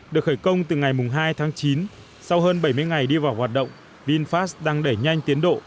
được khởi công từ ngày hai tháng chín sau hơn bảy mươi ngày đi vào hoạt động vinfast đang đẩy nhanh tiến độ